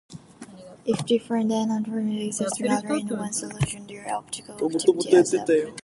If different enantiomers exist together in one solution, their optical activity adds up.